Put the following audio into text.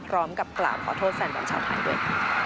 ร้องกับกล่าวขอโทษแสนบางชาวไทยด้วย